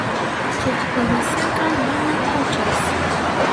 Chikchip wasinqa mama Quchas.